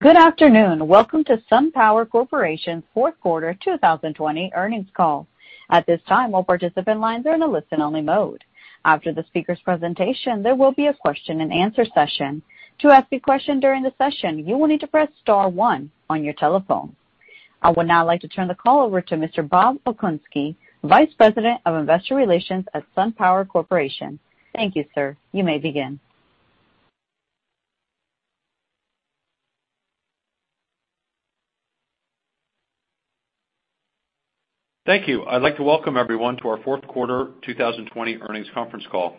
Good afternoon. Welcome to SunPower Corporation's Fourth Quarter 2020 Earnings Call. I would now like to turn the call over to Mr. Bob Okunski, Vice President of Investor Relations at SunPower Corporation. Thank you, sir. You may begin. Thank you. I'd like to welcome everyone to our Fourth Quarter 2020 Earnings Conference Call.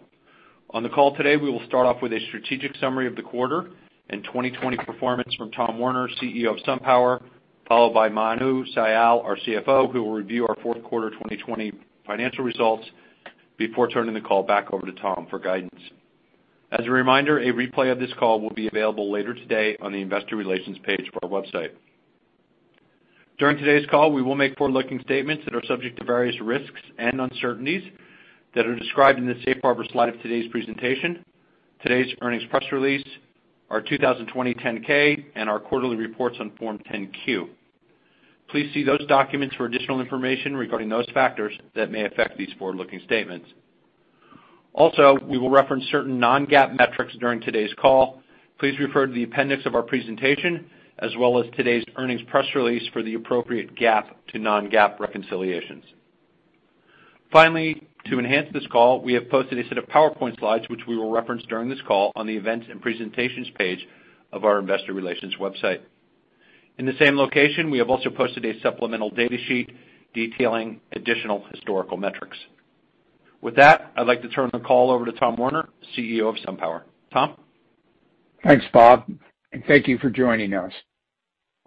On the call today, we will start off with a strategic summary of the quarter and 2020 performance from Tom Werner, CEO of SunPower, followed by Manu Sial, our CFO, who will review our fourth quarter 2020 financial results before turning the call back over to Tom for guidance. As a reminder, a replay of this call will be available later today on the investor relations page of our website. During today's call, we will make forward-looking statements that are subject to various risks and uncertainties that are described in the safe harbor slide of today's presentation, today's earnings press release, our 2020 10-K, and our quarterly reports on Form 10-Q. Please see those documents for additional information regarding those factors that may affect these forward-looking statements. We will reference certain non-GAAP metrics during today's call. Please refer to the appendix of our presentation, as well as today's earnings press release for the appropriate GAAP to non-GAAP reconciliations. Finally, to enhance this call, we have posted a set of PowerPoint slides, which we will reference during this call on the events and presentations page of our investor relations website. In the same location, we have also posted a supplemental data sheet detailing additional historical metrics. With that, I'd like to turn the call over to Tom Werner, CEO of SunPower. Tom? Thanks, Bob, and thank you for joining us.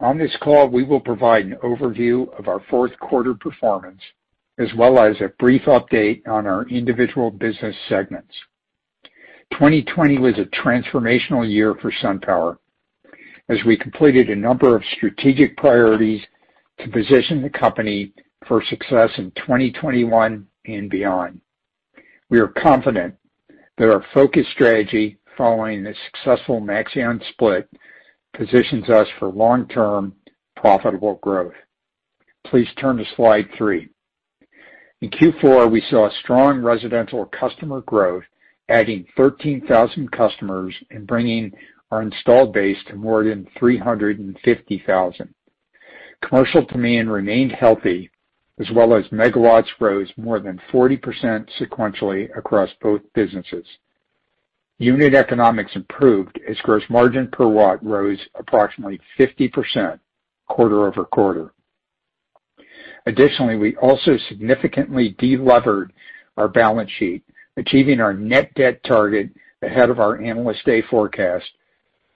On this call, we will provide an overview of our fourth quarter performance, as well as a brief update on our individual business segments. 2020 was a transformational year for SunPower as we completed a number of strategic priorities to position the company for success in 2021 and beyond. We are confident that our focused strategy following the successful Maxeon split positions us for long-term profitable growth. Please turn to slide three. In Q4, we saw strong residential customer growth, adding 13,000 customers and bringing our installed base to more than 350,000. Commercial demand remained healthy, as well as MW rose more than 40% sequentially across both businesses. Unit economics improved as gross margin per W rose approximately 50% quarter-over-quarter. Additionally, we also significantly de-levered our balance sheet, achieving our net debt target ahead of our Analyst Day forecast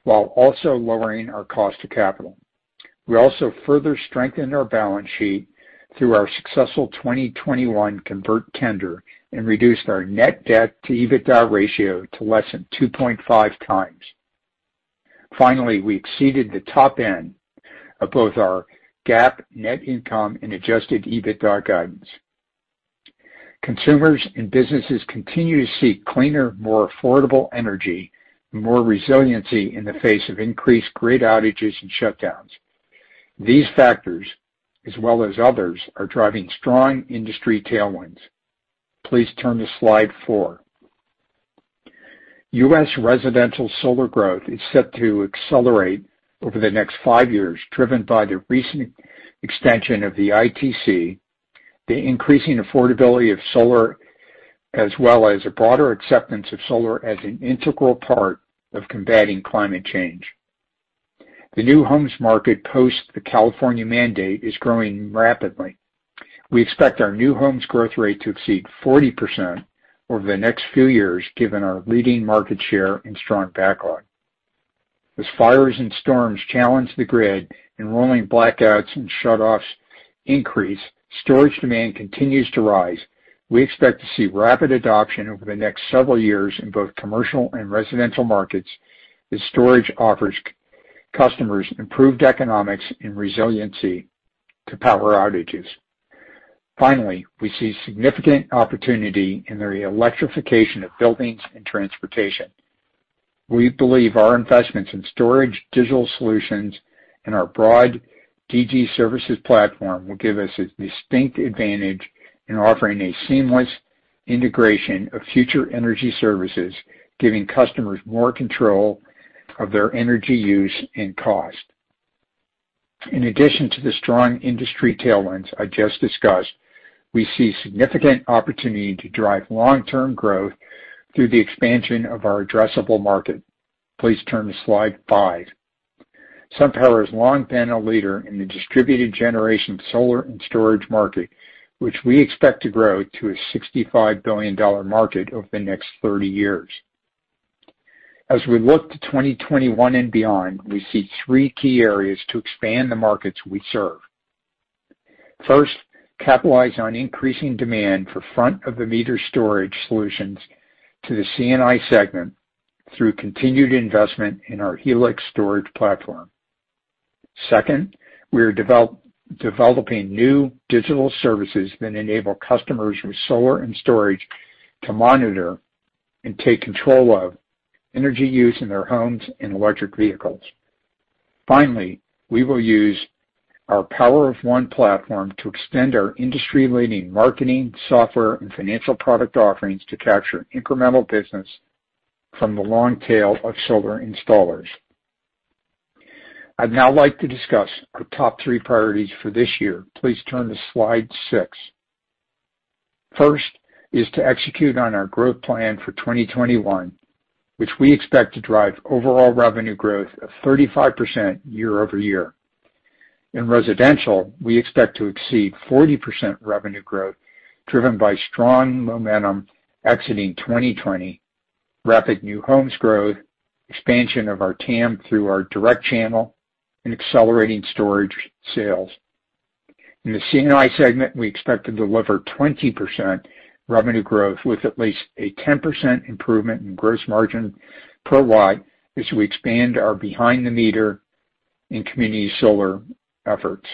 while also lowering our cost to capital. We also further strengthened our balance sheet through our successful 2021 convert tender and reduced our net debt to EBITDA ratio to less than 2.5x. Finally, we exceeded the top end of both our GAAP net income and adjusted EBITDA guidance. Consumers and businesses continue to seek cleaner, more affordable energy, and more resiliency in the face of increased grid outages and shutdowns. These factors, as well as others, are driving strong industry tailwinds. Please turn to slide four. U.S. residential solar growth is set to accelerate over the next five years, driven by the recent extension of the ITC, the increasing affordability of solar, as well as a broader acceptance of solar as an integral part of combating climate change. The new homes market post the California mandate is growing rapidly. We expect our new homes growth rate to exceed 40% over the next few years, given our leading market share and strong backlog. As fires and storms challenge the grid, enrolling blackouts and shutoffs increase, storage demand continues to rise. We expect to see rapid adoption over the next several years in both commercial and residential markets as storage offers customers improved economics and resiliency to power outages. We see significant opportunity in the electrification of buildings and transportation. We believe our investments in storage, digital solutions, and our broad DG services platform will give us a distinct advantage in offering a seamless integration of future energy services, giving customers more control of their energy use and cost. In addition to the strong industry tailwinds I just discussed, we see significant opportunity to drive long-term growth through the expansion of our addressable market. Please turn to slide five. SunPower has long been a leader in the distributed generation solar and storage market, which we expect to grow to a $65 billion market over the next 30 years. As we look to 2021 and beyond, we see three key areas to expand the markets we serve. First, capitalize on increasing demand for front-of-the-meter storage solutions to the C&I segment through continued investment in our Helix storage platform. Second, we are developing new digital services that enable customers with solar and storage to monitor and take control of energy use in their homes and electric vehicles. Finally, we will use our Power of One platform to extend our industry-leading marketing, software, and financial product offerings to capture incremental business from the long tail of solar installers. I'd now like to discuss our top three priorities for this year. Please turn to slide six. First is to execute on our growth plan for 2021, which we expect to drive overall revenue growth of 35% year-over-year. In residential, we expect to exceed 40% revenue growth driven by strong momentum exiting 2020, rapid new homes growth, expansion of our TAM through our direct channel, and accelerating storage sales. In the C&I segment, we expect to deliver 20% revenue growth with at least a 10% improvement in gross margin per W as we expand our behind-the-meter and community solar efforts.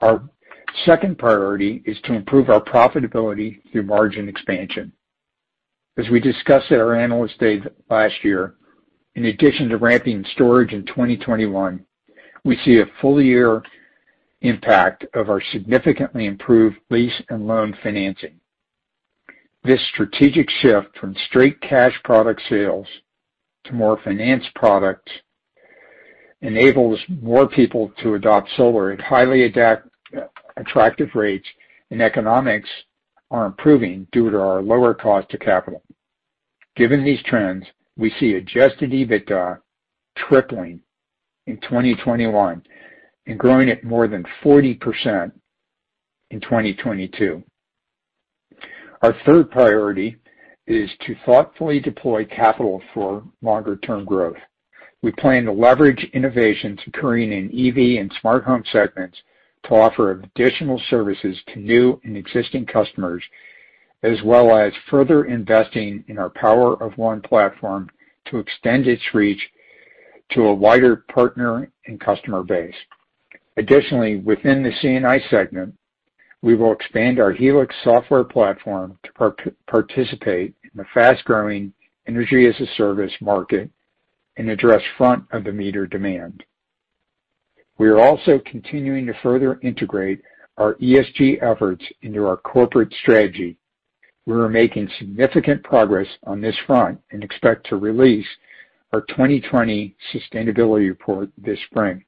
Our second priority is to improve our profitability through margin expansion. As we discussed at our Analyst Day last year, in addition to ramping storage in 2021, we see a full-year impact of our significantly improved lease and loan financing. This strategic shift from straight cash product sales to more financed products enables more people to adopt solar at highly attractive rates, and economics are improving due to our lower cost to capital. Given these trends, we see adjusted EBITDA tripling in 2021 and growing at more than 40% in 2022. Our third priority is to thoughtfully deploy capital for longer-term growth. We plan to leverage innovations occurring in EV and smart home segments to offer additional services to new and existing customers, as well as further investing in our Power of One platform to extend its reach to a wider partner and customer base. Additionally, within the C&I segment, we will expand our Helix software platform to participate in the fast-growing energy-as-a-service market and address front-of-the-meter demand. We are also continuing to further integrate our ESG efforts into our corporate strategy. We are making significant progress on this front and expect to release our 2020 sustainability report this spring.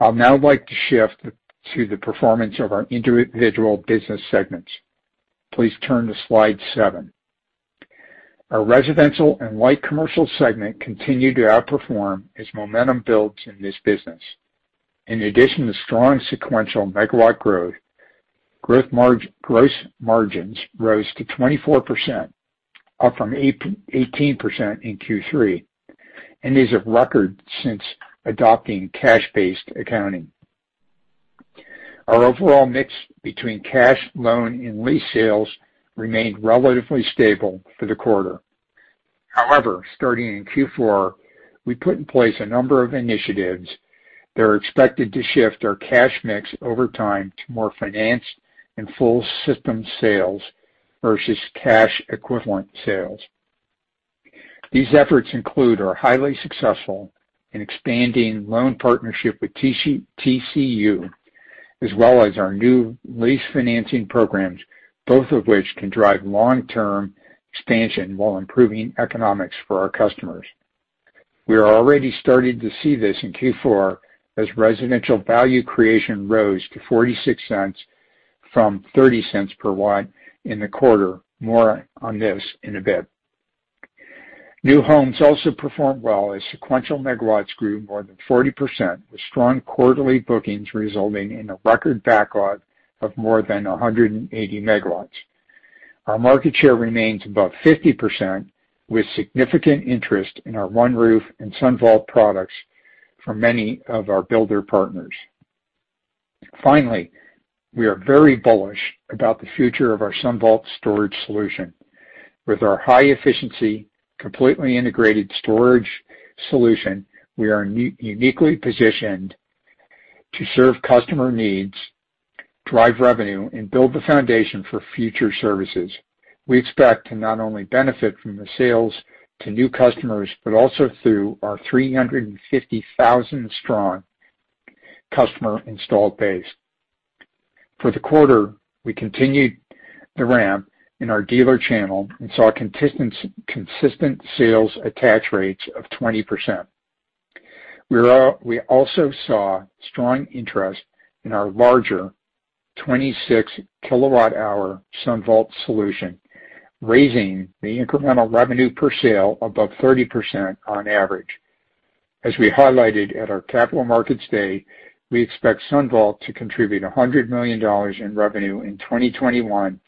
I'll now like to shift to the performance of our individual business segments. Please turn to slide seven. Our Residential and Light Commercial segment continued to outperform as momentum builds in this business. In addition to strong sequential MW growth, gross margins rose to 24%, up from 18% in Q3, and is a record since adopting cash-based accounting. Our overall mix between cash, loan, and lease sales remained relatively stable for the quarter. However, starting in Q4, we put in place a number of initiatives that are expected to shift our cash mix over time to more financed and full system sales versus cash-equivalent sales. These efforts include our highly successful and expanding loan partnership with TCU, as well as our new lease financing programs, both of which can drive long-term expansion while improving economics for our customers. We are already starting to see this in Q4 as residential value creation rose to $0.46 from $0.30 per W in the quarter. More on this in a bit. New homes also performed well as sequential MW grew more than 40%, with strong quarterly bookings resulting in a record backlog of more than 180 MW. Our market share remains above 50%, with significant interest in our OneRoof and SunVault products from many of our builder partners. Finally, we are very bullish about the future of our SunVault storage solution. With our high-efficiency, completely integrated storage solution, we are uniquely positioned to serve customer needs, drive revenue, and build the foundation for future services. We expect to not only benefit from the sales to new customers but also through our 350,000-strong customer installed base. For the quarter, we continued the ramp in our dealer channel and saw consistent sales attach rates of 20%. We also saw strong interest in our larger 26 kWh SunVault solution, raising the incremental revenue per sale above 30% on average. As we highlighted at our Capital Markets Day, we expect SunVault to contribute $100 million in revenue in 2021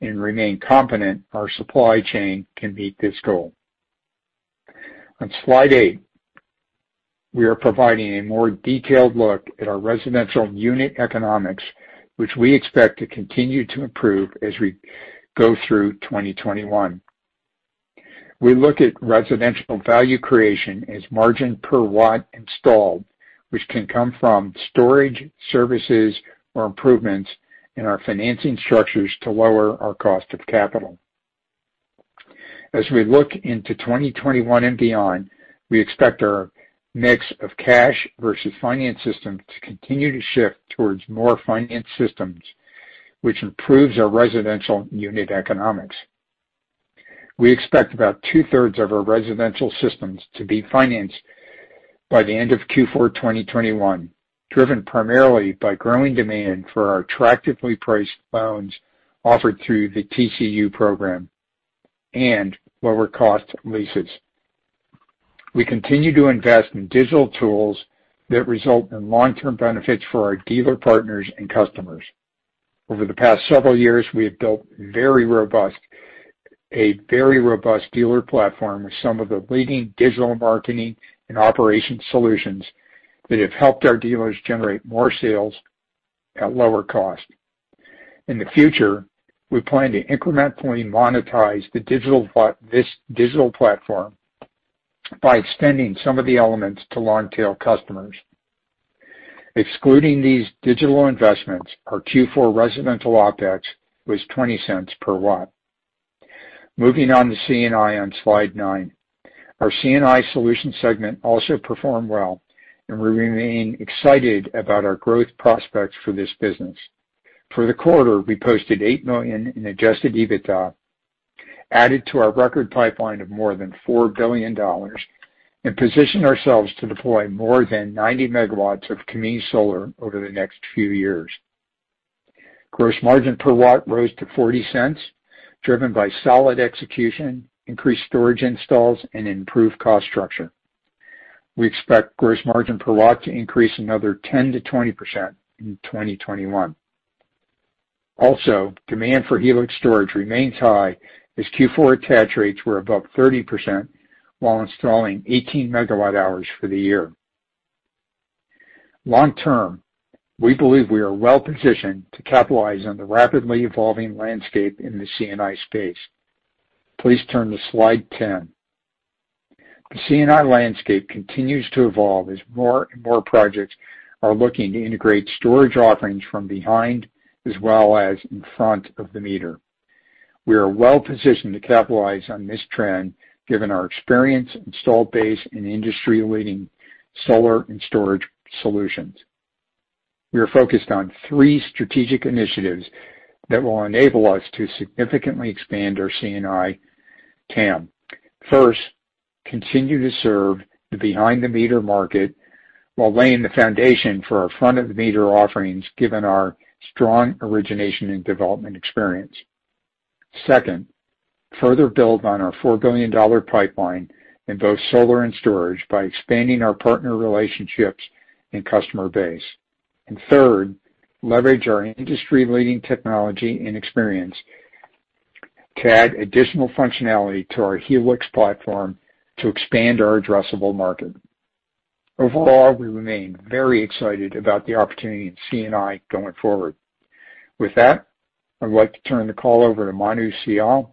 and remain confident our supply chain can meet this goal. On slide eight, we are providing a more detailed look at our residential unit economics, which we expect to continue to improve as we go through 2021. We look at residential value creation as margin per W installed, which can come from storage services or improvements in our financing structures to lower our cost of capital. As we look into 2021 and beyond, we expect our mix of cash versus finance systems to continue to shift towards more finance systems, which improves our residential unit economics. We expect about two-thirds of our residential systems to be financed by the end of Q4 2021, driven primarily by growing demand for our attractively priced loans offered through the TCU program, and lower-cost leases. We continue to invest in digital tools that result in long-term benefits for our dealer partners and customers. Over the past several years, we have built a very robust dealer platform with some of the leading digital marketing and operation solutions that have helped our dealers generate more sales at lower cost. In the future, we plan to incrementally monetize this digital platform by extending some of the elements to long-tail customers. Excluding these digital investments, our Q4 residential OpEx was $0.20 per W. Moving on to C&I on slide nine. Our C&I solutions segment also performed well, and we remain excited about our growth prospects for this business. For the quarter, we posted $8 million in adjusted EBITDA, added to our record pipeline of more than $4 billion, and positioned ourselves to deploy more than 90 MW of community solar over the next few years. Gross margin per W rose to $0.40, driven by solid execution, increased storage installs, and improved cost structure. We expect gross margin per W to increase another 10%-20% in 2021. Demand for Helix storage remains high as Q4 attach rates were above 30% while installing 18 MWh for the year. Long term, we believe we are well-positioned to capitalize on the rapidly evolving landscape in the C&I space. Please turn to slide 10. The C&I landscape continues to evolve as more and more projects are looking to integrate storage offerings from behind-the-meter as well as front-of-the-meter. We are well-positioned to capitalize on this trend given our experience, install base, and industry-leading solar and storage solutions. We are focused on three strategic initiatives that will enable us to significantly expand our C&I TAM. First, continue to serve the behind-the-meter market while laying the foundation for our front-of-the-meter offerings, given our strong origination and development experience. Second, further build on our $4 billion pipeline in both solar and storage by expanding our partner relationships and customer base. Third, leverage our industry-leading technology and experience to add additional functionality to our Helix platform to expand our addressable market. Overall, we remain very excited about the opportunity in C&I going forward. With that, I'd like to turn the call over to Manu Sial,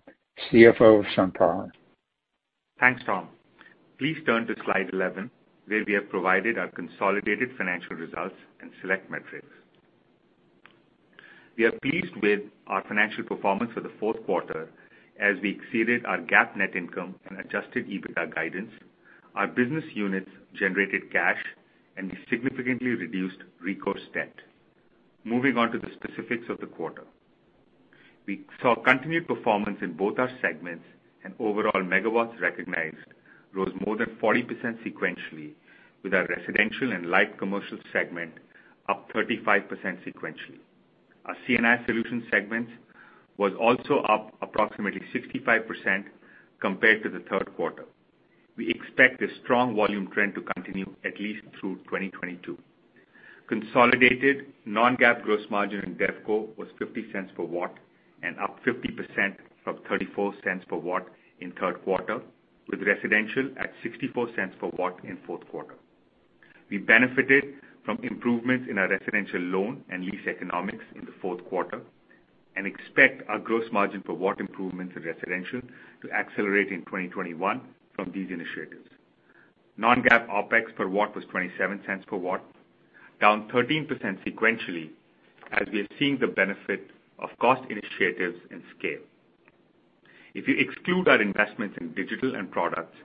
CFO of SunPower. Thanks, Tom. Please turn to slide 11, where we have provided our consolidated financial results and select metrics. We are pleased with our financial performance for the fourth quarter as we exceeded our GAAP net income and adjusted EBITDA guidance. Our business units generated cash, and we significantly reduced recourse debt. Moving on to the specifics of the quarter. We saw continued performance in both our segments, and overall MW recognized rose more than 40% sequentially, with our Residential and Light Commercial segment up 35% sequentially. Our C&I solutions segment was also up approximately 65% compared to the third quarter. We expect this strong volume trend to continue at least through 2022. Consolidated non-GAAP gross margin in DevCo was $0.50 per W and up 50% from $0.34 per W in the third quarter, with Residential at $0.64 per W in the fourth quarter. We benefited from improvements in our residential loan and lease economics in the fourth quarter and expect our gross margin per W improvements in residential to accelerate in 2021 from these initiatives. Non-GAAP OpEx per W was $0.27 per W, down 13% sequentially as we are seeing the benefit of cost initiatives and scale. If you exclude our investments in digital and products,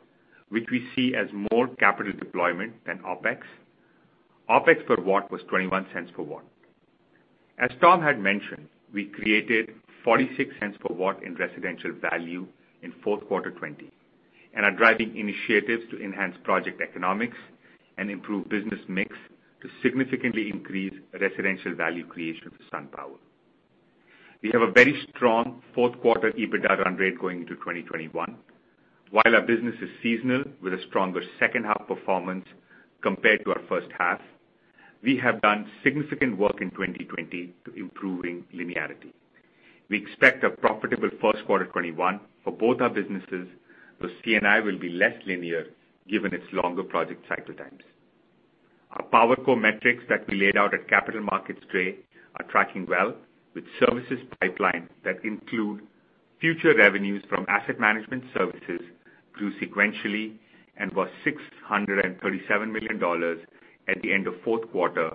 which we see as more capital deployment than OpEx per W was $0.21 per W. As Tom had mentioned, we created $0.46 per W in residential value in fourth quarter 2020 and are driving initiatives to enhance project economics and improve business mix to significantly increase residential value creation for SunPower. We have a very strong fourth-quarter EBITDA run rate going into 2021. While our business is seasonal, with a stronger second-half performance compared to our first half, we have done significant work in 2020 to improving linearity. We expect a profitable first quarter 2021 for both our businesses, where C&I will be less linear given its longer project cycle times. Our PowerCo metrics that we laid out at Capital Markets Day are tracking well with services pipeline that include future revenues from asset management services grew sequentially and was $637 million at the end of fourth quarter,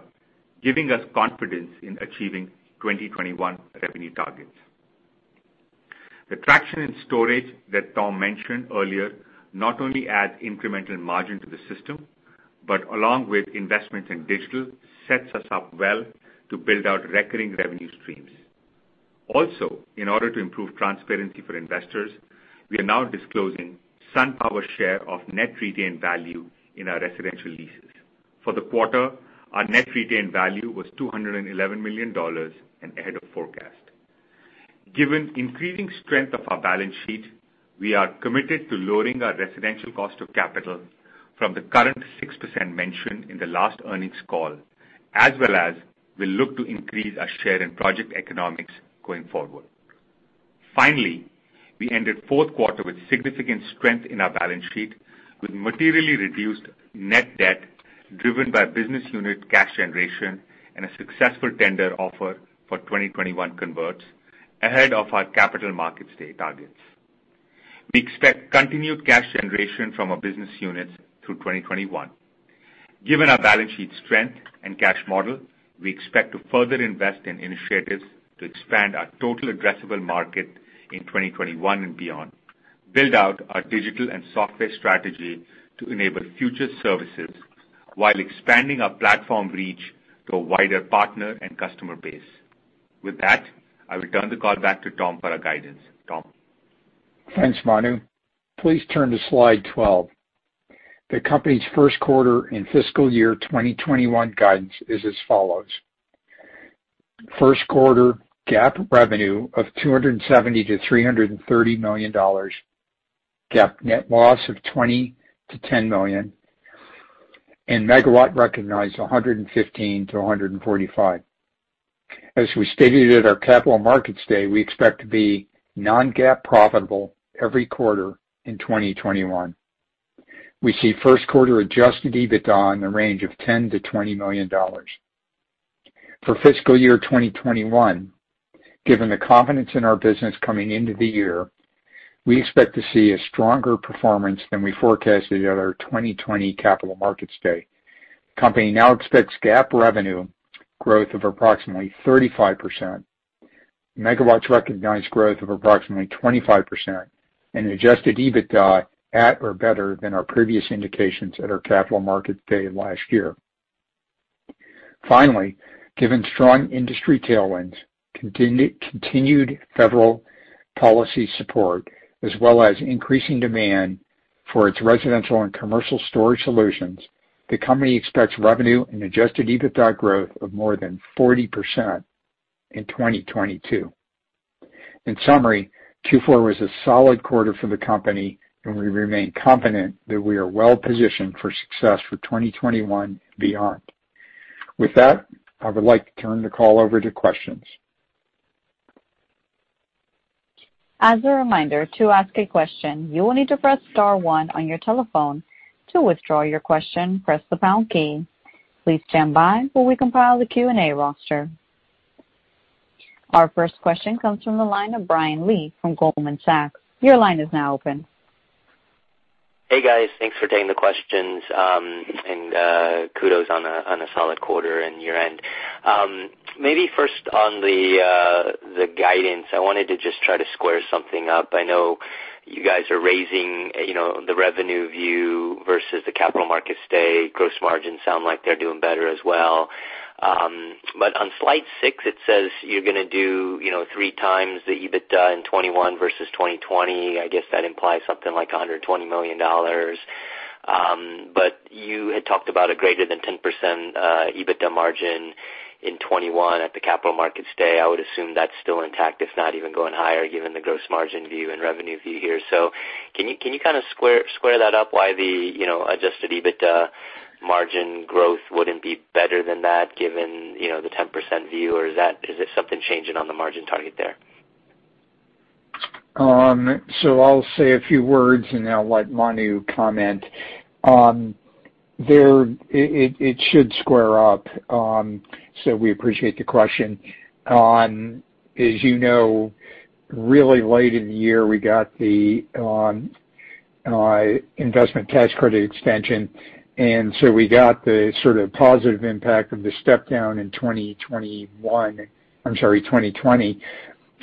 giving us confidence in achieving 2021 revenue targets. The traction in storage that Tom mentioned earlier not only adds incremental margin to the system, but along with investments in digital, sets us up well to build out recurring revenue streams. Also, in order to improve transparency for investors, we are now disclosing SunPower's share of net retained value in our residential leases. For the quarter, our net retained value was $211 million and ahead of forecast. Given increasing strength of our balance sheet, we are committed to lowering our residential cost of capital from the current 6% mentioned in the last earnings call, as well as we look to increase our share in project economics going forward. We ended fourth quarter with significant strength in our balance sheet, with materially reduced net debt driven by business unit cash generation and a successful tender offer for 2021 converts ahead of our Capital Markets Day targets. We expect continued cash generation from our business units through 2021. Given our balance sheet strength and cash model, we expect to further invest in initiatives to expand our total addressable market in 2021 and beyond, build out our digital and software strategy to enable future services while expanding our platform reach to a wider partner and customer base. With that, I will turn the call back to Tom for our guidance. Tom? Thanks, Manu. Please turn to slide 12. The company's first quarter and fiscal year 2021 guidance is as follows. First quarter GAAP revenue of $270 million to $330 million. GAAP net loss of $20 million to $10 million, and MW recognized 115-145. As we stated at our Capital Markets Day, we expect to be non-GAAP profitable every quarter in 2021. We see first quarter adjusted EBITDA in the range of $10 million to $20 million. For fiscal year 2021, given the confidence in our business coming into the year, we expect to see a stronger performance than we forecasted at our 2020 Capital Markets Day. The company now expects GAAP revenue growth of approximately 35%, MW recognized growth of approximately 25%, and adjusted EBITDA at or better than our previous indications at our Capital Markets Day last year. Given strong industry tailwinds, continued federal policy support, as well as increasing demand for its residential and commercial storage solutions, the company expects revenue and adjusted EBITDA growth of more than 40% in 2022. In summary, Q4 was a solid quarter for the company, and we remain confident that we are well-positioned for success for 2021 beyond. With that, I would like to turn the call over to questions. Our first question comes from the line of Brian Lee from Goldman Sachs. Hey, guys. Thanks for taking the questions. Kudos on a solid quarter and year-end. Maybe first on the guidance, I wanted to just try to square something up. I know you guys are raising the revenue view versus the Capital Markets Day. Gross margins sound like they're doing better as well. On slide six, it says you're going to do three times the EBITDA in 2021 versus 2020. I guess that implies something like $120 million. You had talked about a greater than 10% EBITDA margin in 2021 at the Capital Markets Day. I would assume that's still intact, if not even going higher, given the gross margin view and revenue view here. Can you kind of square that up why the adjusted EBITDA margin growth wouldn't be better than that given the 10% view? Is something changing on the margin target there? I'll say a few words, and I'll let Manu comment. It should square up, so we appreciate the question. As you know, really late in the year, we got the investment tax credit extension, and so we got the sort of positive impact of the step down in 2021. I'm sorry, 2020.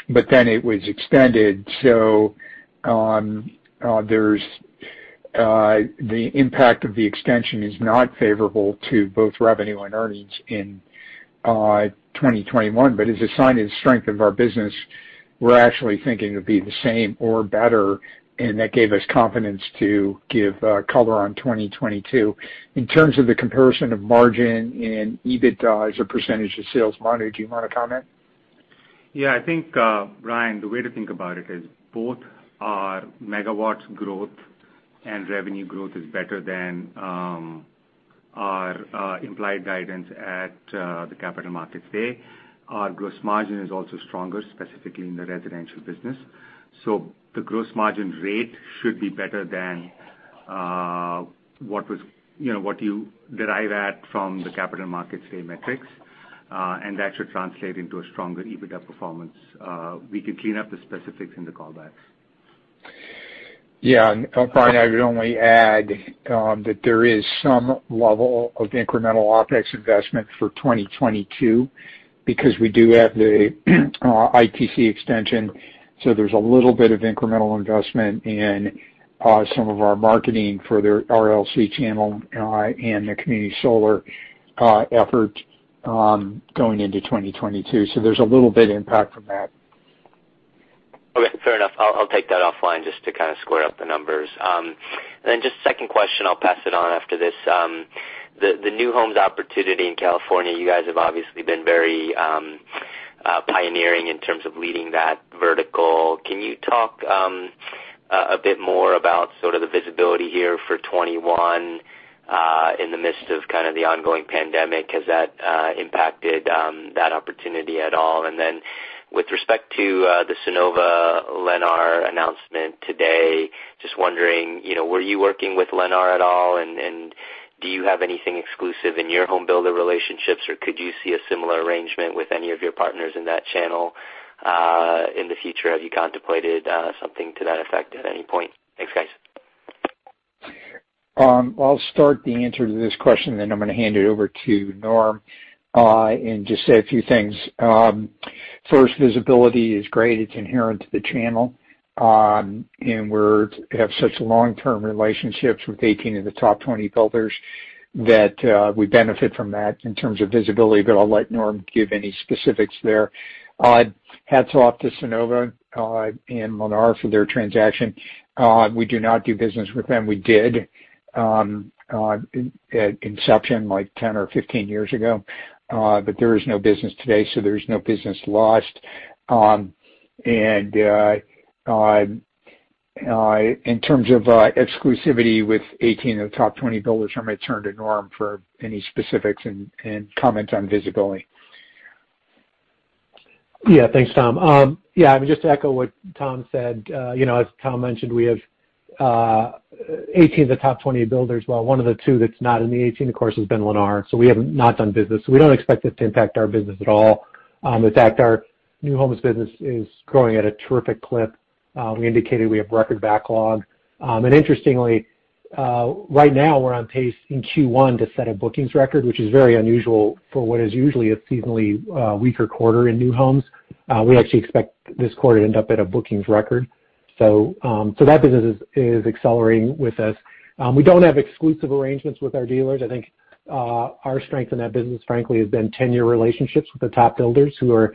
It was extended. The impact of the extension is not favorable to both revenue and earnings in 2021. As a sign of the strength of our business, we're actually thinking it'll be the same or better, and that gave us confidence to give color on 2022. In terms of the comparison of margin and EBITDA as a percentage of sales, Manu, do you want to comment? Yeah, I think, Brian, the way to think about it is both our MW growth and revenue growth is better than our implied guidance at the Capital Markets Day. Our gross margin is also stronger, specifically in the residential business. The gross margin rate should be better than what you derive at from the Capital Markets Day metrics, and that should translate into a stronger EBITDA performance. We can clean up the specifics in the call back. Yeah. Brian, I would only add that there is some level of incremental OpEx investment for 2022 because we do have the ITC extension, so there's a little bit of incremental investment in some of our marketing for their RLC channel and the community solar effort going into 2022. There's a little bit of impact from that. Okay. Fair enough. I'll take that offline just to kind of square up the numbers. Just second question, I'll pass it on after this. The new homes opportunity in California, you guys have obviously been very pioneering in terms of leading that vertical. Can you talk a bit more about sort of the visibility here for 2021 in the midst of kind of the ongoing pandemic? Has that impacted that opportunity at all? With respect to the Sunnova-Lennar announcement today, just wondering, were you working with Lennar at all? Do you have anything exclusive in your home builder relationships, or could you see a similar arrangement with any of your partners in that channel in the future? Have you contemplated something to that effect at any point? Thanks, guys. I'll start the answer to this question. I'm going to hand it over to Norm and just say a few things. First, visibility is great. It's inherent to the channel. We have such long-term relationships with 18 of the top 20 builders that we benefit from that in terms of visibility. I'll let Norm give any specifics there. Hats off to Sunnova and Lennar for their transaction. We do not do business with them. We did at inception, like 10 or 15 years ago. There is no business today. There is no business lost. In terms of exclusivity with 18 of the top 20 builders, I'm going to turn to Norm for any specifics and comment on visibility. Yeah. Thanks, Tom. Yeah, just to echo what Tom said. As Tom mentioned, we have 18 of the top 20 builders. Well, one of the two that's not in the 18, of course, has been Lennar, so we have not done business. We don't expect it to impact our business at all. In fact, our new homes business is growing at a terrific clip. We indicated we have record backlog. Interestingly, right now we're on pace in Q1 to set a bookings record, which is very unusual for what is usually a seasonally weaker quarter in new homes. We actually expect this quarter to end up at a bookings record. That business is accelerating with us. We don't have exclusive arrangements with our dealers. I think our strength in that business, frankly, has been 10-year relationships with the top builders who are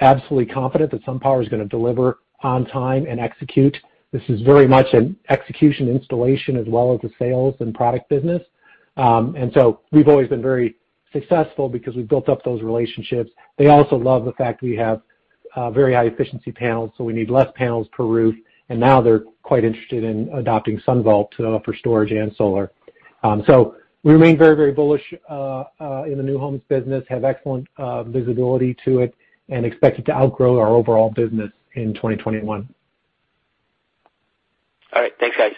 absolutely confident that SunPower is going to deliver on time and execute. This is very much an execution installation as well as a sales and product business. We've always been very successful because we've built up those relationships. They also love the fact we have very high efficiency panels, so we need less panels per roof, and now they're quite interested in adopting SunVault for storage and solar. We remain very bullish in the new homes business, have excellent visibility to it and expect it to outgrow our overall business in 2021. All right. Thanks, guys.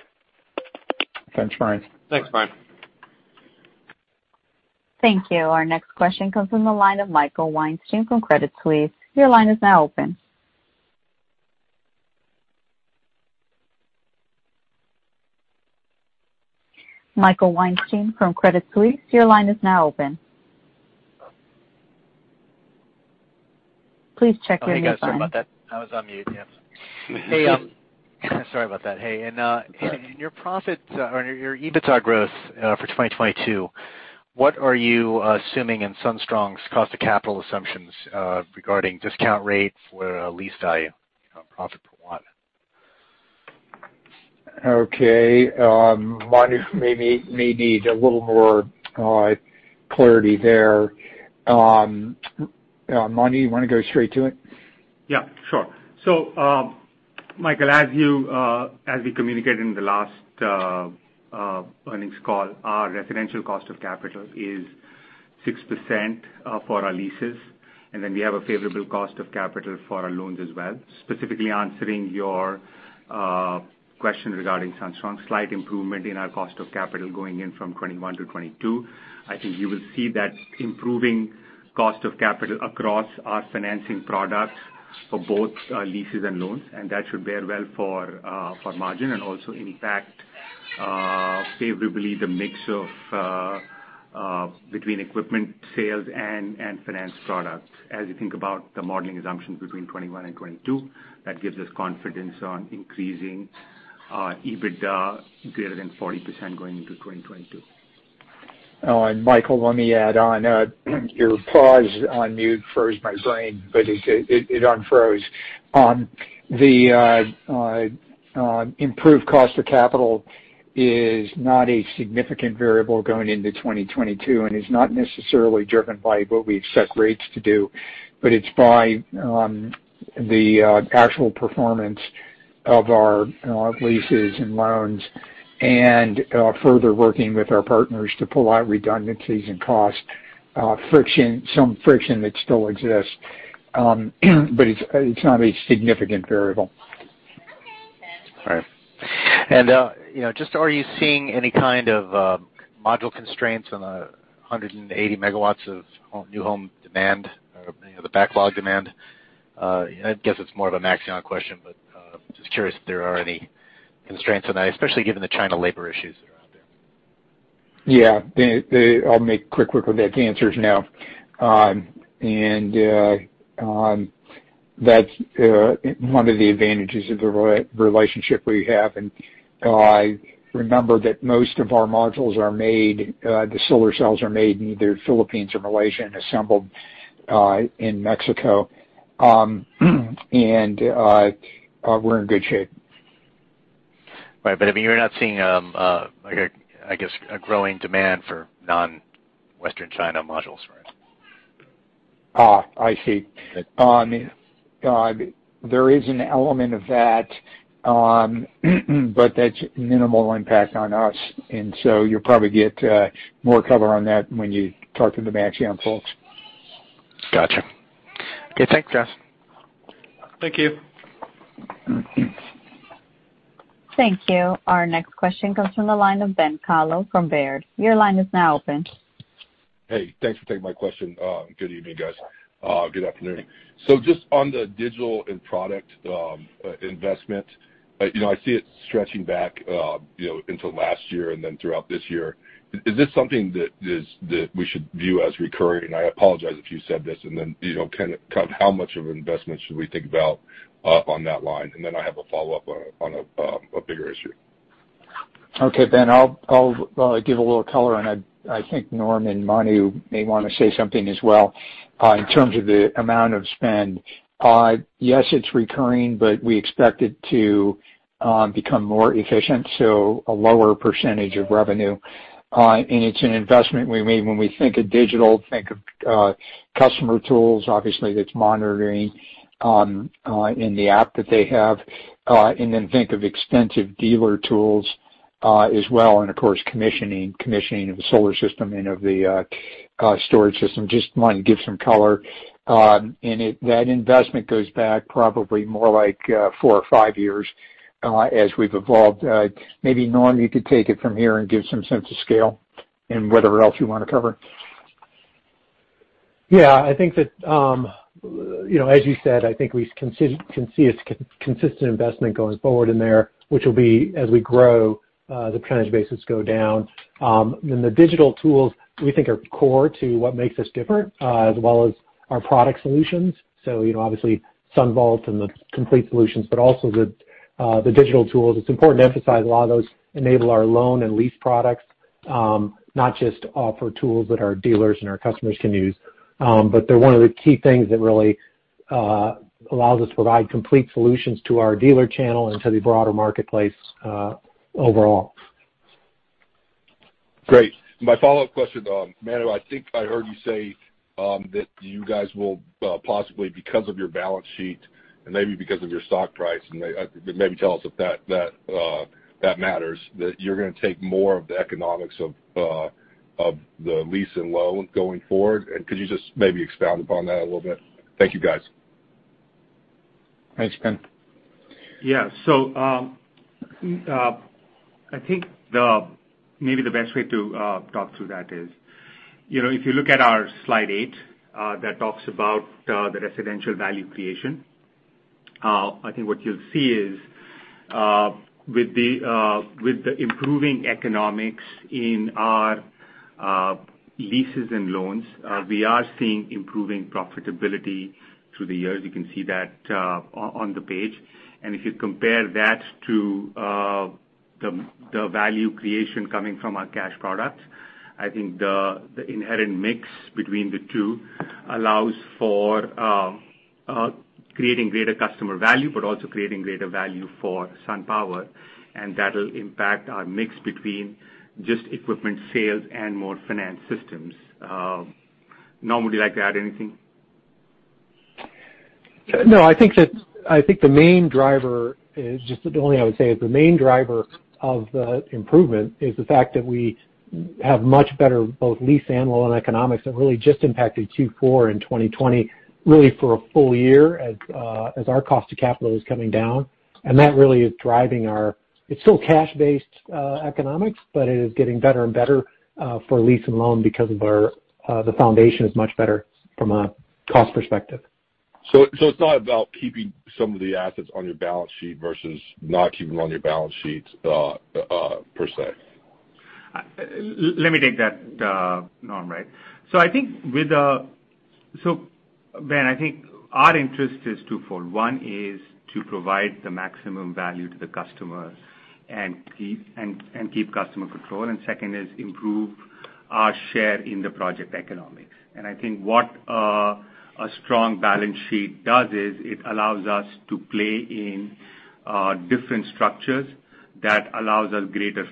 Thanks, Brian. Thanks, Brian. Thank you. Our next question comes from the line of Michael Weinstein from Credit Suisse. Your line is now open. Michael Weinstein from Credit Suisse, your line is now open. Please check your line. Oh, hey guys. Sorry about that. I was on mute, yeah. Sorry about that. Hey. In your profit or your EBITDA growth for 2022, what are you assuming in SunStrong's cost of capital assumptions regarding discount rate for lease value, profit per W? Okay. Manu may need a little more clarity there. Manu, you want to go straight to it? Michael, as we communicated in the last earnings call, our residential cost of capital is 6% for our leases, and then we have a favorable cost of capital for our loans as well. Specifically answering your question regarding SunStrong, slight improvement in our cost of capital going in from 2021 to 2022. I think you will see that improving cost of capital across our financing products for both leases and loans, and that should bear well for margin and also, in fact, favorably the mix between equipment sales and finance products. As you think about the modeling assumptions between 2021 and 2022, that gives us confidence on increasing EBITDA greater than 40% going into 2022. Michael, let me add on. Your pause on mute froze my brain, but it unfroze. The improved cost of capital is not a significant variable going into 2022, and is not necessarily driven by what we expect rates to do, but it's by the actual performance of our leases and loans and further working with our partners to pull out redundancies and cost friction, some friction that still exists. It's not a significant variable. Okay. All right. Just are you seeing any kind of module constraints on 180 MW of new home demand or the backlog demand? I guess it's more of a Maxeon question, but just curious if there are any constraints on that, especially given the China labor issues that are out there. Yeah. I'll make quick deck answers now. That's one of the advantages of the relationship we have, and I remember that most of our modules are made, the solar cells are made in either Philippines or Malaysia and assembled in Mexico. We're in good shape. Right. You're not seeing, I guess, a growing demand for non-western China modules first. I see. There is an element of that, but that's minimal impact on us. You'll probably get more color on that when you talk to the Maxeon folks. Got you. Okay, thanks, guys. Thank you. Thank you. Our next question comes from the line of Ben Kallo from Baird. Your line is now open. Hey, thanks for taking my question. Good evening, guys. Good afternoon. Just on the digital end product investment, I see it stretching back into last year and then throughout this year. Is this something that we should view as recurring? I apologize if you said this, kind of how much of an investment should we think about on that line? I have a follow-up on a bigger issue. Okay, Ben, I'll give a little color. I think Norm and Manu may want to say something as well. In terms of the amount of spend, yes, it's recurring. We expect it to become more efficient, so a lower percentage of revenue. It's an investment we made when we think of digital, think of customer tools, obviously that's monitoring in the app that they have, then think of extensive dealer tools as well, and of course, commissioning of the solar system and of the storage system, just wanted to give some color. That investment goes back probably more like four or five years as we've evolved. Maybe Norm, you could take it from here and give some sense of scale and whatever else you want to cover. Yeah, I think that as you said, I think we can see it's consistent investment going forward in there, which will be as we grow, the percentage basis go down. The digital tools we think are core to what makes us different, as well as our product solutions. Obviously SunVault and the complete solutions, but also the digital tools. It's important to emphasize a lot of those enable our loan and lease products, not just offer tools that our dealers and our customers can use. They're one of the key things that really allows us to provide complete solutions to our dealer channel and to the broader marketplace overall. Great. My follow-up question, Manu, I think I heard you say that you guys will possibly, because of your balance sheet and maybe because of your stock price, and maybe tell us if that matters, that you're going to take more of the economics of the lease and loan going forward. Could you just maybe expound upon that a little bit? Thank you, guys. Thanks, Ben. I think maybe the best way to talk through that is, if you look at our slide eight that talks about the residential value creation, I think what you'll see is with the improving economics in our leases and loans, we are seeing improving profitability through the years. You can see that on the page. If you compare that to the value creation coming from our cash product, I think the inherent mix between the two allows for creating greater customer value, but also creating greater value for SunPower, and that'll impact our mix between just equipment sales and more finance systems. Norm, would you like to add anything? No, I think the main driver is just the only I would say is the main driver of the improvement is the fact that we have much better both lease and loan economics that really just impacted Q4 in 2020, really for a full year as our cost to capital is coming down. That really is driving our it's still cash-based economics, but it is getting better and better for lease and loan because the foundation is much better from a cost perspective. It's not about keeping some of the assets on your balance sheet versus not keeping on your balance sheet per se. Let me take that, Norm. Ben, I think our interest is twofold. One is to provide the maximum value to the customers and keep customer control, and second is improve our share in the project economics. I think what a strong balance sheet does is it allows us to play in different structures that allows us greater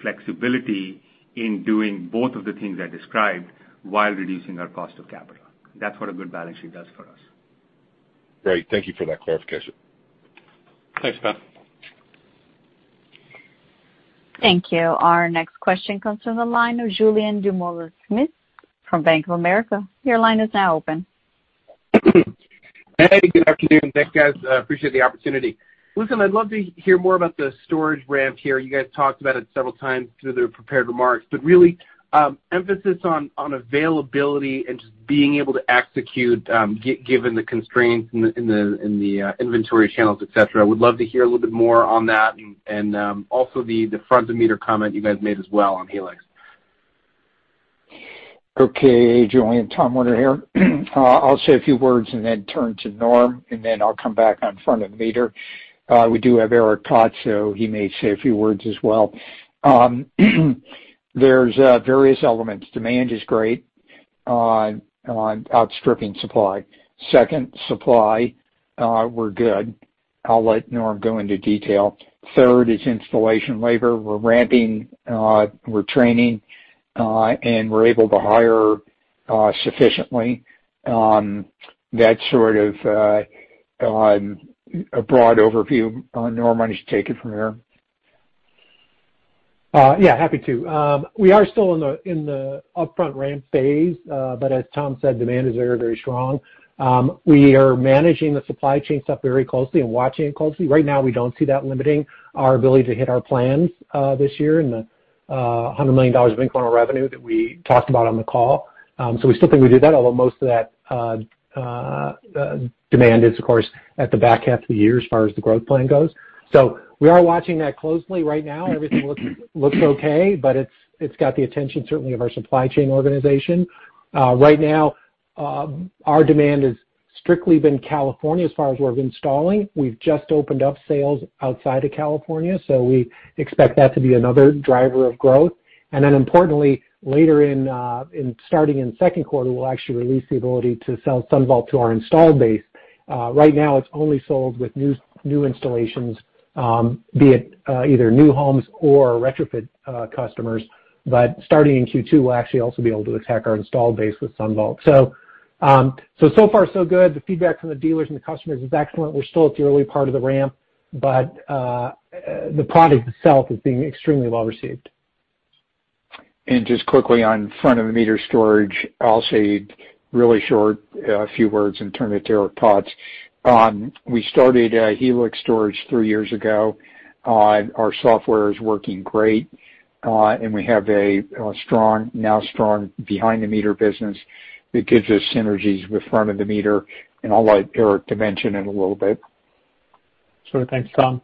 flexibility in doing both of the things I described while reducing our cost of capital. That's what a good balance sheet does for us. Great. Thank you for that clarification. Thanks, Ben. Thank you. Our next question comes from the line of Julien Dumoulin-Smith from Bank of America. Your line is now open. Hey, good afternoon. Thanks, guys. Appreciate the opportunity. Listen, I'd love to hear more about the storage ramp here. You guys talked about it several times through the prepared remarks, really emphasis on availability and just being able to execute given the constraints in the inventory channels, et cetera. Would love to hear a little bit more on that and also the front-of-the-meter comment you guys made as well on Helix. Okay, Julien. Tom Werner here. I'll say a few words and then turn to Norm, and then I'll come back on front of the meter. We do have Eric Potts. He may say a few words as well. There's various elements. Demand is great on outstripping supply. Second, supply, we're good. I'll let Norm go into detail. Third is installation labor. We're ramping, we're training, and we're able to hire sufficiently. That's sort of a broad overview. Norm, why don't you take it from here? Yeah, happy to. We are still in the upfront ramp phase. As Tom said, demand is very strong. We are managing the supply chain stuff very closely and watching it closely. Right now, we don't see that limiting our ability to hit our plans this year and the $100 million of incremental revenue that we talked about on the call. We still think we did that, although most of that demand is, of course, at the back half of the year, as far as the growth plan goes. We are watching that closely right now. Everything looks okay, but it's got the attention, certainly, of our supply chain organization. Right now, our demand has strictly been California, as far as where we're installing. We've just opened up sales outside of California, we expect that to be another driver of growth. Importantly, later in starting in second quarter, we'll actually release the ability to sell SunVault to our installed base. Right now it's only sold with new installations, be it either new homes or retrofit customers. Starting in Q2, we'll actually also be able to attack our installed base with SunVault. So far so good. The feedback from the dealers and the customers is excellent. We're still at the early part of the ramp, but the product itself is being extremely well received. Just quickly on front-of-the-meter storage, I'll say really short, a few words and turn it to Eric Potts. We started Helix Storage three years ago. Our software is working great, and we have a now strong behind-the-meter business that gives us synergies with front-of-the-meter, and I'll let Eric dimension it a little bit. Sure thing, Tom.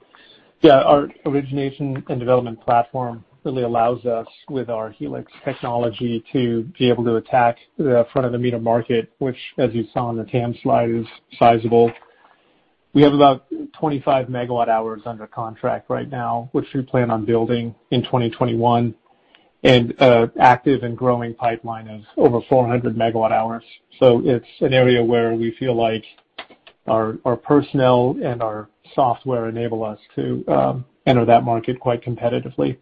Yeah, our origination and development platform really allows us with our Helix technology to be able to attack the front-of-the-meter market, which as you saw on the TAM slide, is sizable. We have about 25 MWh under contract right now, which we plan on building in 2021, and active and growing pipeline of over 400 MWh. It's an area where we feel like our personnel and our software enable us to enter that market quite competitively.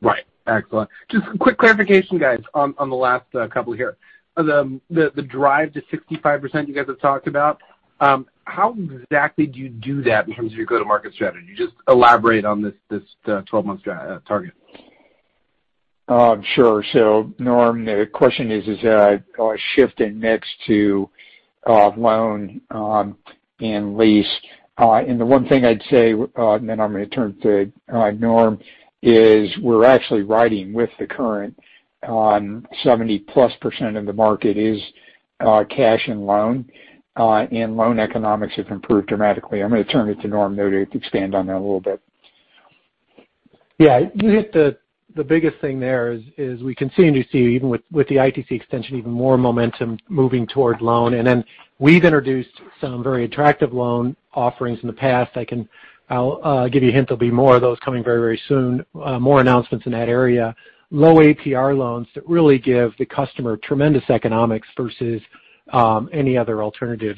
Right. Excellent. Just quick clarification, guys, on the last couple here. The drive to 65% you guys have talked about, how exactly do you do that in terms of your go-to-market strategy? Just elaborate on this 12-month target. Sure. Norm, the question is our shift in mix to loan and lease. The one thing I'd say, and then I'm going to turn to Norm, is we're actually riding with the current on 70+% of the market is cash and loan, and loan economics have improved dramatically. I'm going to turn it to Norm though, to expand on that a little bit. Yeah. You hit the biggest thing there is we continue to see, even with the ITC extension, even more momentum moving toward loan. We've introduced some very attractive loan offerings in the past. I'll give you a hint, there'll be more of those coming very soon. More announcements in that area. Low APR loans that really give the customer tremendous economics versus any other alternative.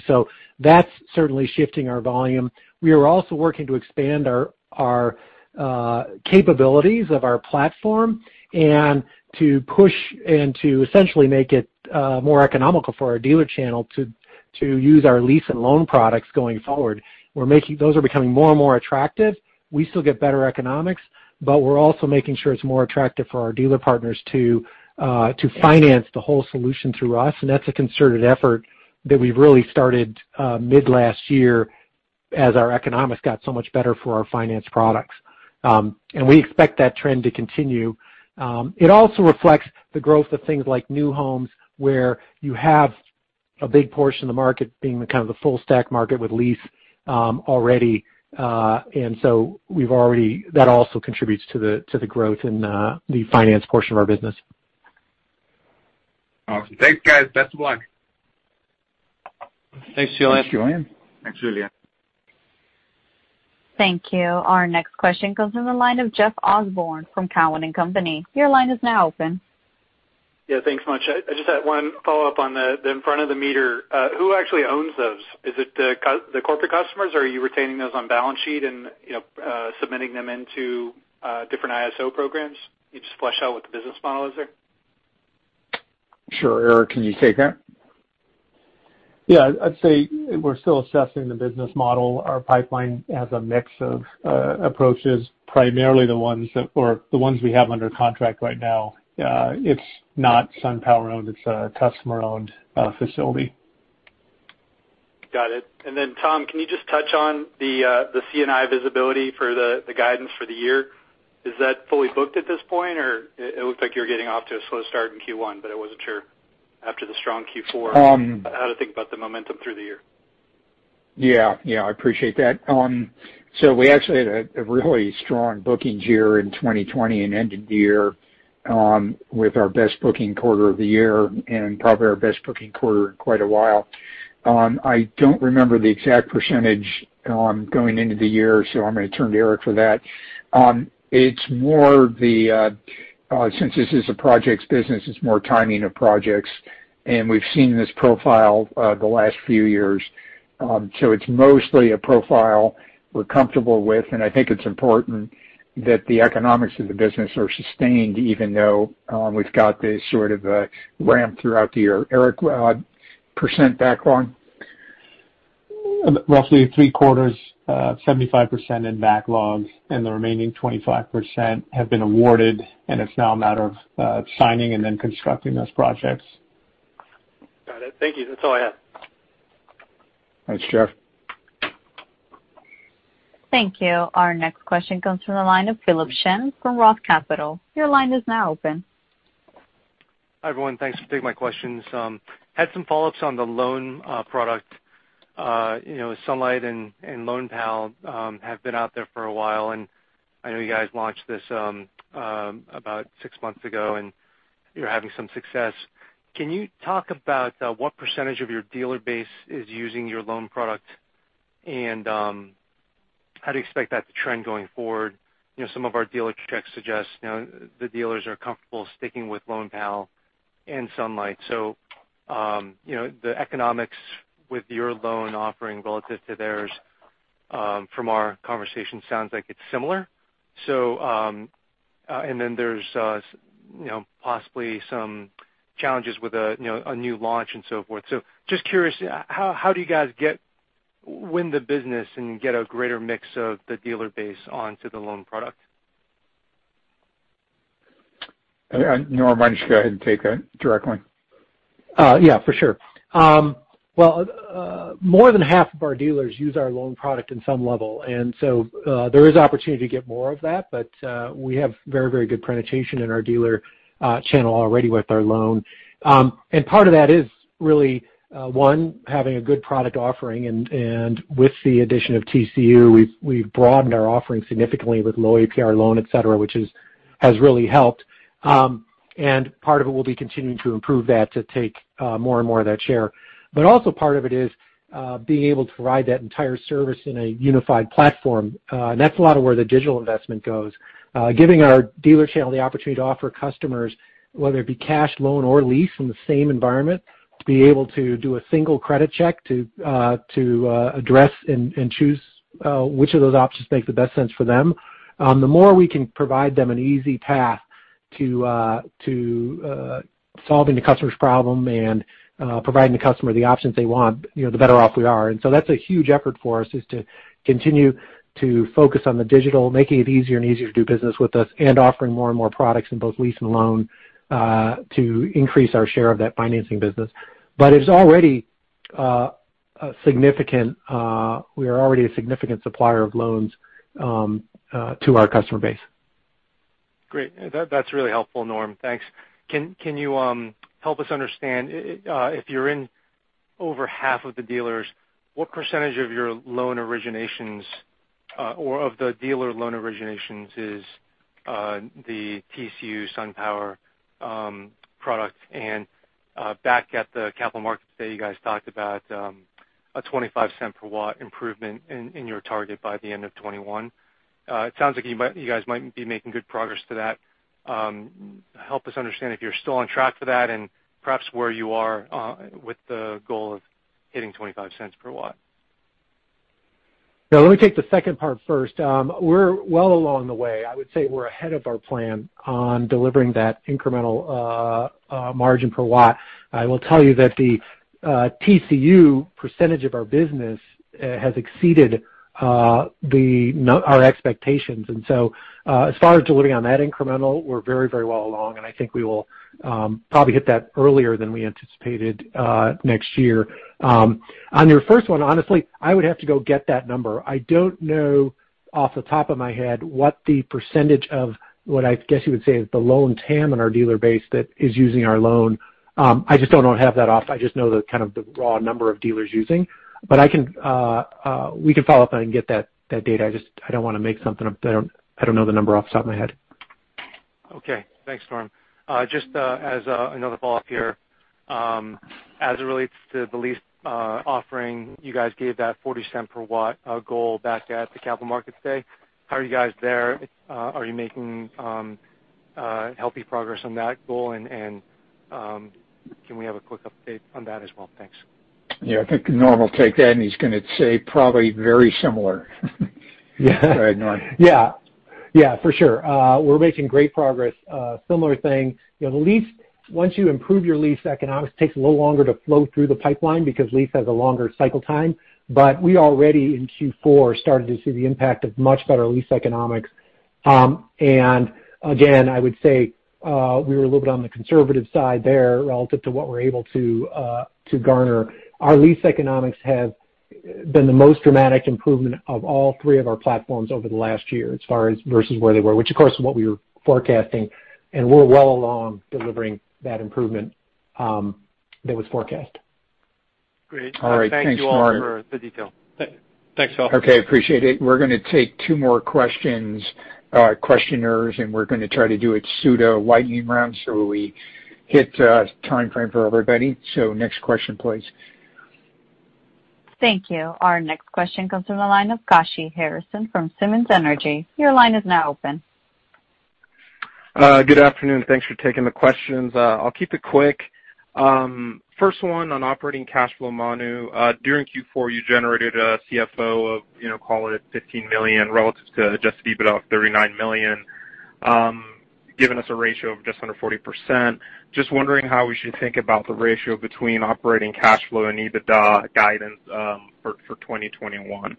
That's certainly shifting our volume. We are also working to expand our capabilities of our platform and to push and to essentially make it more economical for our dealer channel to use our lease and loan products going forward. Those are becoming more and more attractive. We still get better economics, we're also making sure it's more attractive for our dealer partners to finance the whole solution through us. That's a concerted effort that we really started mid last year as our economics got so much better for our finance products. We expect that trend to continue. It also reflects the growth of things like new homes, where you have a big portion of the market being the kind of the full stack market with lease already. That also contributes to the growth in the finance portion of our business. Awesome. Thanks, guys. Best of luck. Thanks, Julien. Thanks, Julien. Thank you. Our next question comes from the line of Jeff Osborne from Cowen and Company. Your line is now open. Yeah, thanks much. I just had one follow-up on the front-of-the-meter. Who actually owns those? Is it the corporate customers or are you retaining those on balance sheet and submitting them into different ISO programs? Can you just flesh out what the business model is there? Sure. Eric, can you take that? Yeah. I'd say we're still assessing the business model. Our pipeline has a mix of approaches, primarily the ones we have under contract right now. It's not SunPower owned, it's a customer-owned facility. Got it. Tom, can you just touch on the C&I visibility for the guidance for the year? Is that fully booked at this point? It looked like you were getting off to a slow start in Q1, but I wasn't sure after the strong Q4? How to think about the momentum through the year? Yeah. I appreciate that. We actually had a really strong bookings year in 2020 and ended the year with our best booking quarter of the year and probably our best booking quarter in quite a while. I don't remember the exact percentage going into the year, so I'm going to turn to Eric for that. Since this is a projects business, it's more timing of projects, and we've seen this profile the last few years. It's mostly a profile we're comfortable with, and I think it's important that the economics of the business are sustained, even though we've got this sort of a ramp throughout the year. Eric, % backlog? Roughly three quarters, 75% in backlogs, and the remaining 25% have been awarded, and it's now a matter of signing and then constructing those projects. Got it. Thank you. That's all I have. Thanks, Jeff. Thank you. Our next question comes from the line of Philip Shen from Roth Capital. Your line is now open. Hi, everyone. Thanks for taking my questions. Had some follow-ups on the loan product. Sunlight and Loanpal have been out there for a while, and I know you guys launched this about six months ago, and you're having some success. Can you talk about what % of your dealer base is using your loan product, and how do you expect that to trend going forward? Some of our dealer checks suggest the dealers are comfortable sticking with Loanpal and Sunlight. The economics with your loan offering relative to theirs, from our conversation, sounds like it's similar. There's possibly some challenges with a new launch and so forth. Just curious, how do you guys win the business and get a greater mix of the dealer base onto the loan product? Norm, why don't you go ahead and take that directly? Yeah, for sure. Well, more than half of our dealers use our loan product in some level. There is opportunity to get more of that, but we have very good penetration in our dealer channel already with our loan. Part of that is really, one, having a good product offering, and with the addition of TCU, we've broadened our offering significantly with low APR loan, et cetera, which has really helped. Part of it will be continuing to improve that to take more and more of that share. Also part of it is being able to ride that entire service in a unified platform. That's a lot of where the digital investment goes. Giving our dealer channel the opportunity to offer customers, whether it be cash, loan or lease in the same environment, to be able to do a single credit check to address and choose which of those options makes the best sense for them. The more we can provide them an easy path to solving the customer's problem and providing the customer the options they want, the better off we are. That's a huge effort for us is to continue to focus on the digital, making it easier and easier to do business with us and offering more and more products in both lease and loan to increase our share of that financing business. We are already a significant supplier of loans to our customer base. Great. That's really helpful, Norm. Thanks. Can you help us understand if you're in over half of the dealers, what percentage of your loan originations or of the dealer loan originations is the TCU SunPower product? Back at the Capital Markets Day, you guys talked about a $0.25 per W improvement in your target by the end of 2021. It sounds like you guys might be making good progress to that. Help us understand if you're still on track for that and perhaps where you are with the goal of hitting $0.25 per W. Yeah, let me take the second part first. We're well along the way. I would say we're ahead of our plan on delivering that incremental margin per W. I will tell you that the TCU percentage of our business has exceeded our expectations. As far as delivering on that incremental, we're very well along, and I think we will probably hit that earlier than we anticipated next year. On your first one, honestly, I would have to go get that number. I don't know off the top of my head what the percentage of what I guess you would say is the loan TAM in our dealer base that is using our loan. I just don't have that off. I just know the kind of the raw number of dealers using. We can follow up on and get that data. I don't want to make something up that I don't know the number off the top of my head. Okay. Thanks, Norm. Just as another follow-up here. As it relates to the lease offering, you guys gave that $0.40 per W goal back at the Capital Markets Day. How are you guys there? Are you making healthy progress on that goal? Can we have a quick update on that as well? Thanks. Yeah, I think Norm will take that, and he's going to say probably very similar. Go ahead, Norm. Yeah, for sure. We're making great progress. Similar thing, once you improve your lease economics, it takes a little longer to flow through the pipeline because lease has a longer cycle time. We already in Q4 started to see the impact of much better lease economics. Again, I would say we were a little bit on the conservative side there relative to what we're able to garner. Our lease economics have been the most dramatic improvement of all three of our platforms over the last year as far as versus where they were, which, of course, is what we were forecasting. We're well along delivering that improvement that was forecast. Great. All right. Okay, appreciate it. We're going to take two more questioners, and we're going to try to do a pseudo lightning round so we hit timeframe for everybody. Next question, please. Thank you. Our next question comes from the line of Kashy Harrison from Simmons Energy. Your line is now open. Good afternoon. Thanks for taking the questions. I'll keep it quick. First one on operating cash flow, Manu. During Q4, you generated a CFO of call it $15 million relative to adjusted EBITDA of $39 million, giving us a ratio of just under 40%. Just wondering how we should think about the ratio between operating cash flow and EBITDA guidance for 2021.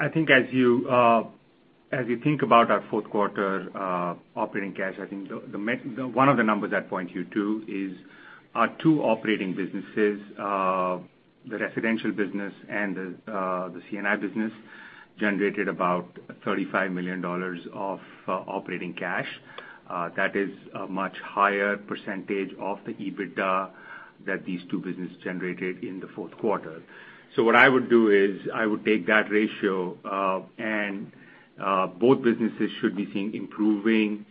I think as you think about our fourth quarter operating cash, I think one of the numbers I'd point you to is our two operating businesses. The residential business and the C&I business generated about $35 million of operating cash. That is a much higher percentage of the EBITDA that these two businesses generated in the fourth quarter. What I would do is I would take that ratio, and both businesses should be seeing improving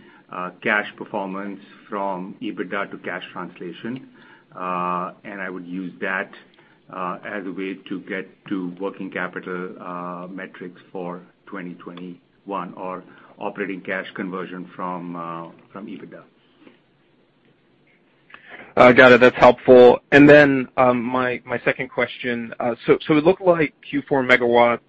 cash performance from EBITDA to cash translation. I would use that as a way to get to working capital metrics for 2021 or operating cash conversion from EBITDA. Got it. That's helpful. My second question. It looked like Q4 MW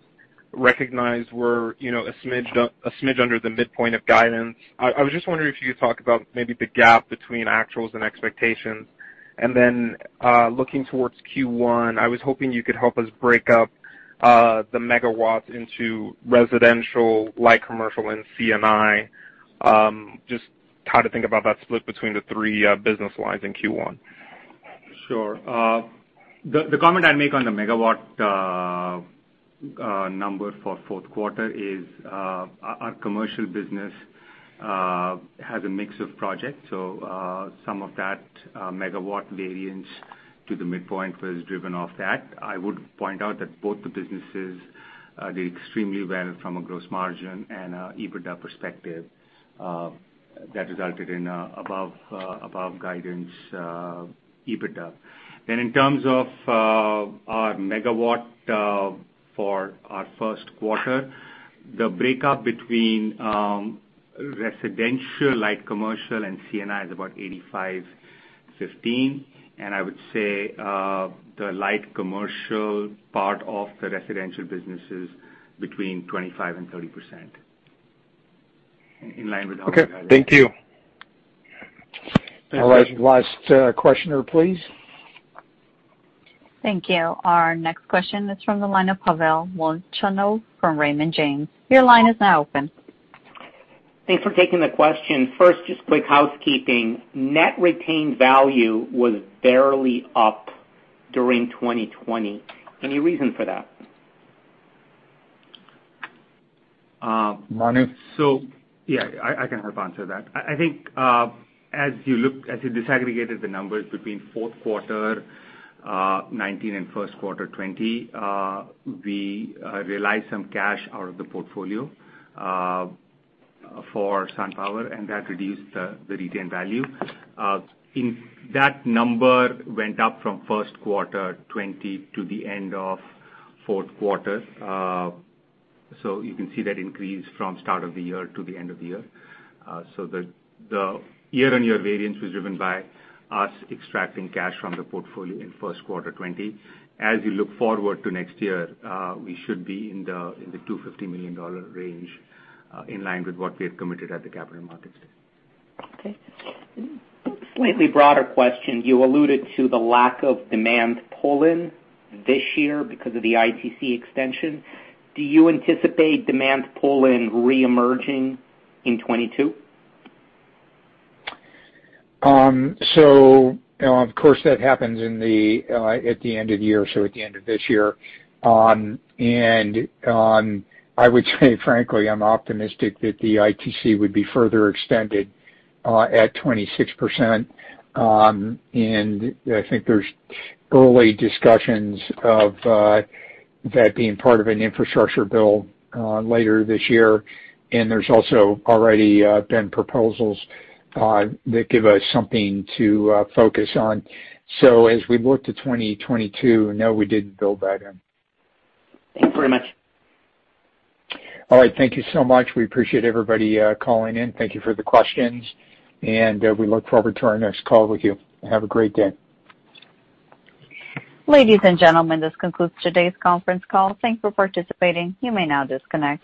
recognized were a smidge under the midpoint of guidance. I was just wondering if you could talk about maybe the gap between actuals and expectations. Looking towards Q1, I was hoping you could help us break up the MW into residential, light commercial, and C&I. Just how to think about that split between the three business lines in Q1. Sure. The comment I'd make on the MW number for fourth quarter is our commercial business has a mix of projects, so some of that MW variance to the midpoint was driven off that. I would point out that both the businesses did extremely well from a gross margin and EBITDA perspective that resulted in above guidance EBITDA. In terms of our MW for our first quarter, the breakup between residential, light commercial, and C&I is about 85/15, and I would say the light commercial part of the residential business is between 25% and 30%, in line with how we guided. Okay, thank you. All right. Last questioner, please. Thank you. Our next question is from the line of Pavel Molchanov from Raymond James. Your line is now open. Thanks for taking the question. First, just quick housekeeping. Net retained value was barely up during 2020. Any reason for that? Manu? Yeah, I can help answer that. I think as you disaggregated the numbers between fourth quarter 2019 and first quarter 2020, we realized some cash out of the portfolio for SunPower, and that reduced the retained value. That number went up from first quarter 2020 to the end of fourth quarter. You can see that increase from start of the year to the end of the year. The year-on-year variance was driven by us extracting cash from the portfolio in first quarter 2020. As we look forward to next year, we should be in the $250 million range, in line with what we have committed at the Capital Markets Day. Okay. Slightly broader question. You alluded to the lack of demand pull-in this year because of the ITC extension. Do you anticipate demand pull-in re-emerging in 2022? Of course, that happens at the end of the year, so at the end of this year. I would say, frankly, I'm optimistic that the ITC would be further extended at 26%. I think there's early discussions of that being part of an infrastructure bill later this year, and there's also already been proposals that give us something to focus on. As we look to 2022, no, we didn't build that in. Thank you very much. All right. Thank you so much. We appreciate everybody calling in. Thank you for the questions, and we look forward to our next call with you. Have a great day. Ladies and gentlemen, this concludes today's conference call. Thank you for participating. You may now disconnect.